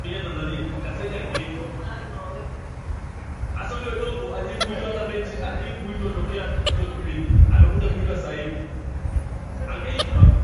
katika dunia ya mitindo na mavazi